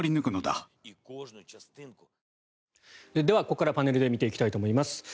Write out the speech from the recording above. ではここからパネルで見ていきたいと思います。